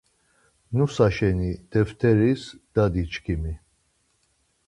Nusa şeni deft̆eris, dadiçkimi